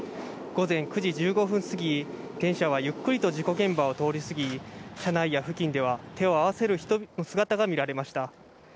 午前９時１５分すぎ、電車はゆっくりと事故現場を通り過ぎ、車内や付近では手を合わせる人の姿が見られました。